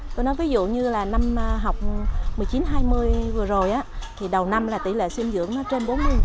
tôi nói ví dụ như là năm học một mươi chín hai mươi vừa rồi thì đầu năm là tỷ lệ sinh dưỡng nó trên bốn mươi một trăm linh